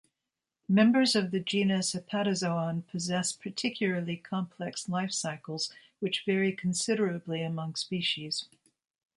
Members of the genus "Hepatozoon" possess particularly complex lifecycles which vary considerably among species.